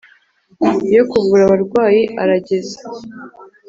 yo kuvura abarwayi arageze